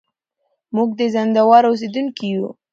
موږ د زينداور اوسېدونکي يو.